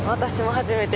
初めて。